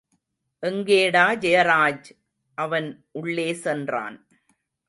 எங்கேடா ஜெயராஜ்! அவன் உள்ளே சென்றான்.